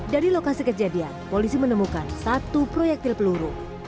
dari lokasi kejadian polisi menemukan satu proyektil peluru